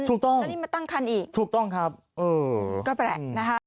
ถูกต้องแล้วนี่มาตั้งคันอีกถูกต้องครับเออก็แปลกนะฮะ